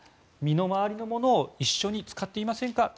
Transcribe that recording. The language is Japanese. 身の回りのものを一緒に使っていませんか？